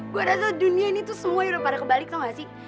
gue rasa dunia ini tuh semua yang udah pada kebalik tau gak sih